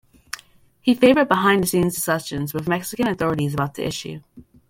He favored behind the scenes discussions with Mexican authorities about the issue.